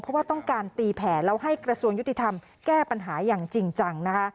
เพราะว่าต้องการตีแผนแล้วให้กระทรวงยุติธรรมแก้ปัญหาอย่างจริงจังนะคะ